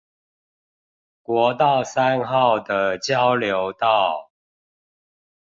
國道三號的交流道